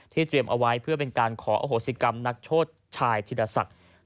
เตรียมเอาไว้เพื่อเป็นการขออโหสิกรรมนักโทษชายธิรศักดิ์